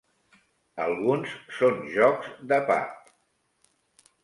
Alguns són jocs de pub.